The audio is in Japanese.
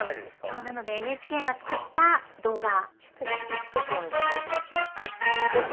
そうなのでＮＨＫが作った動画。